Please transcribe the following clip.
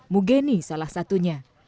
mugeni salah satunya